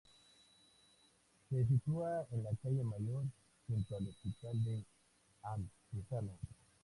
Se sitúa en la calle Mayor, junto al Hospital de Antezana.